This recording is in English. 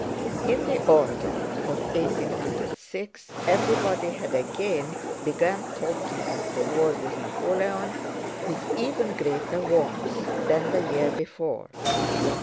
In the autumn of 1806 everybody had again begun talking of the war with Napoleon with even greater warmth than the year before.